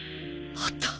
あった！